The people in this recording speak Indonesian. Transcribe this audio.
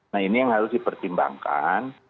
nah ini yang harus dipertimbangkan